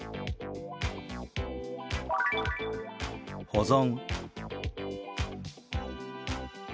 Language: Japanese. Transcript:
「保存」。